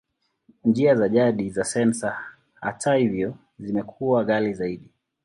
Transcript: Njia za jadi za sensa, hata hivyo, zimekuwa ghali zaidi.